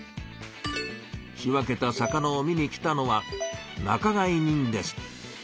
仕分けた魚を見に来たのは仲買人です。